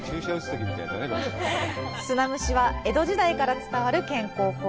砂むしは江戸時代から伝わる健康法。